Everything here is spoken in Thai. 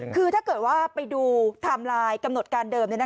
คือถ้าเกิดว่าไปดูไทม์ไลน์กำหนดการเดิม